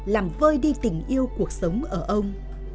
làm vơi đi tình yêu cuộc sống ở ông